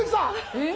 えっ？